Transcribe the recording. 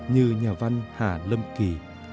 như nhà văn hà lâm kỳ